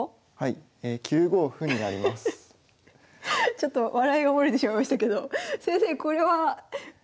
ちょっと笑いが漏れてしまいましたけど先生